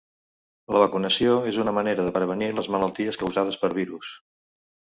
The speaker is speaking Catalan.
La vacunació és una manera de prevenir les malalties causades per virus.